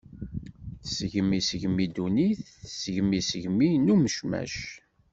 Tesgem isegmi ddunit, tesgem isegmi n umecmac.